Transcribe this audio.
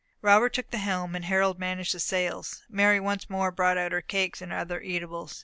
Robert took the helm, and Harold managed the sails. Mary once more brought out her cakes and other eatables.